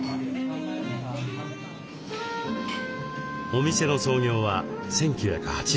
お店の創業は１９８４年。